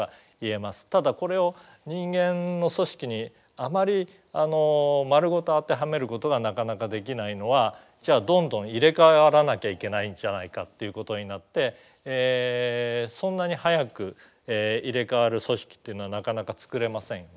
ただこれを人間の組織にあまり丸ごと当てはめることがなかなかできないのはじゃあどんどん入れ代わらなきゃいけないんじゃないかっていうことになってそんなに早く入れ代わる組織っていうのはなかなかつくれませんよね。